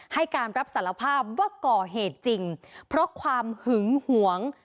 ให้การรับสารภาพว่าก่อเหตุจริงเพราะความหึงหวง